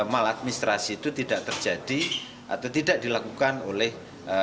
maladministrasi itu tidak terjadi atau tidak dilakukan oleh